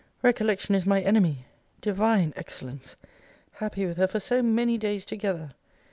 Recollection is my enemy! Divine excellence! Happy with her for so many days together!